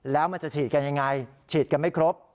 แล้วมันจะฉีดกันยังไงฉีดกันไม่ครบ